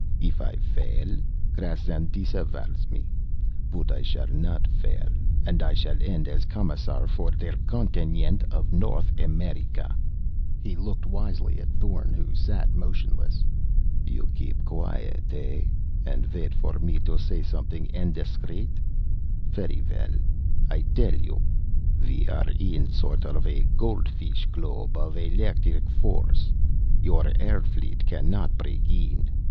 If I fail, Krassin disavows me. But I shall not fail, and I shall end as Commissar for der continent of North America!" He looked wisely at Thorn, who sat motionless. "You keep quiet, eh, and wait for me to say something indiscreet? Ferry well, I tell you. We are in a sort of gold fish globe of electric force. Your air fleet cannot break in.